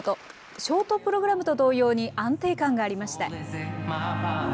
ショートプログラムと同様に安定感がありました。